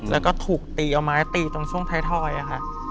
แล้วก็ถูกตีเอาไม้ตีตรงช่วงท้ายทอยค่ะ